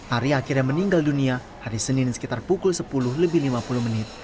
ari akhirnya meninggal dunia hari senin sekitar pukul sepuluh lebih lima puluh menit